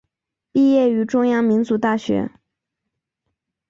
毕业于中央民族大学。